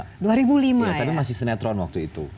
karena masih senetron waktu itu